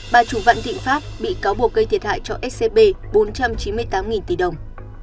bà chủ vạn thịnh pháp bị cáo buộc gây thiệt hại cho scb bốn trăm chín mươi tám tỷ đồng